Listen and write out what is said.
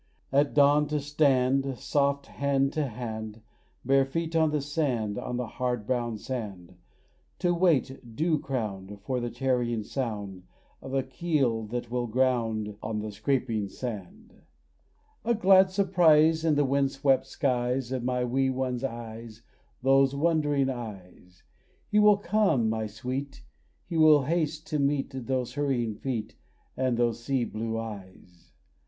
At dawn to stand Soft hand to hand, Bare feet on the sand, On the hard brown sand, To wait, dew crowned, For the tarrying sound Of a keel that will ground On the scraping sand. A glad surprise In the wind swept skies Of my wee one's eyes, Those wondering eyes. He will come, my sweet, And will haste to meet Those hurrying feet And those sea blue eyes.